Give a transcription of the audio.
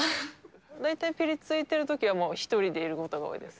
大体ぴりついてるときはもう１人でいることが多いです。